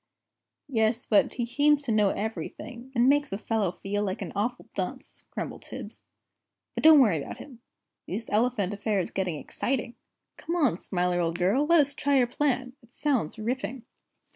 "Yes, but he seems to know everything, and makes a fellow feel an awful dunce!" grumbled Tibbs. "But don't worry about him. This elephant affair is getting exciting. Come along, Smiler, old girl, let us try your plan, it sounds ripping!"